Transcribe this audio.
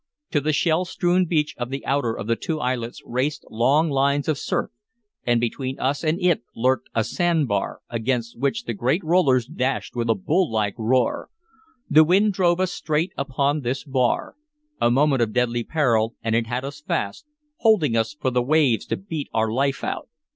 To the shell strewn beach of the outer of the two islets raced long lines of surf, and between us and it lurked a sand bar, against which the great rollers dashed with a bull like roar. The wind drove us straight upon this bar. A moment of deadly peril and it had us fast, holding us for the waves to beat our life out.